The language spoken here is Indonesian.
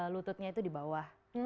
lututnya itu di bawah